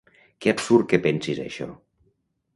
Que absurd que pensis això!